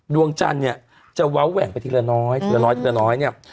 ดวงจันทร์เนี่ยจะเว้าแหว่งไปทีละน้อยทีละน้อยทีละน้อยเนี่ย